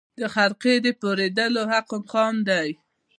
د خرقې د پېرودلو عقل خام دی